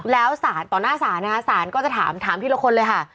แล้วต่อหน้าศาลก็จะถามทีละคนเลยค่ะ